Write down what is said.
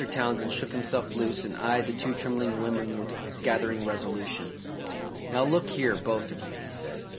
Townsend shook himself loose and eyed the two trembling women with gathering resolution. "Now, look here, both of you," he said.